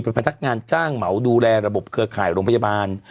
เป็นพนักงานจ้างเหมาดูแลระบบเครือข่ายโรงพยาบาล